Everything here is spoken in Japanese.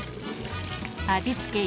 味付け